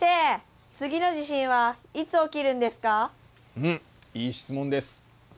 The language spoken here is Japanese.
うんいい質問です。